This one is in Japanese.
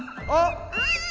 あっ！